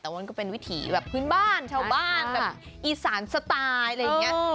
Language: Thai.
แต่ว่ามันก็เป็นวิถีแบบพื้นบ้านชาวบ้านแบบอีสานสไตล์อะไรอย่างนี้